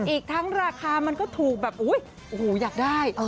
อีกทั้งราคามันก็ถูกแบบอยากได้